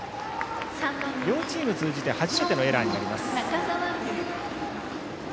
両チーム通じて初めてのエラーになります。